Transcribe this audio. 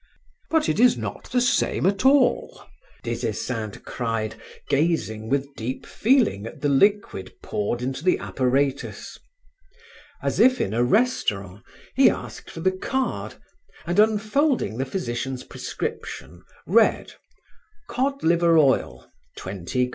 "But it is not the same at all!" Des Esseintes cried, gazing with deep feeling at the liquid poured into the apparatus. As if in a restaurant, he asked for the card, and unfolding the physician's prescription, read: Cod Liver Oil ........